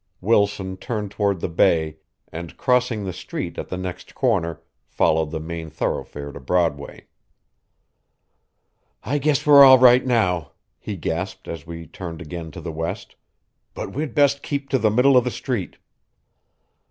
Wilson turned toward the bay, and crossing the street at the next corner followed the main thoroughfare to Broadway. "I guess we're all right now," he gasped, as we turned again to the west, "but we'd best keep to the middle of the street."